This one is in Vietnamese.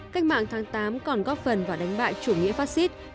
cách mạng tháng tám còn góp phần vào đánh bại chủ nghĩa phát xít